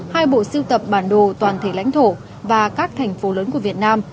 hai bộ siêu tập bản đồ toàn thể lãnh thổ và các thành phố lớn của việt nam